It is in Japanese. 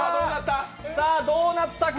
さあ、どうなったか。